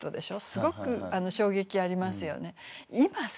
すごく衝撃ありますよね。